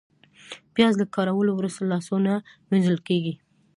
پیاز له کارولو وروسته لاسونه وینځل کېږي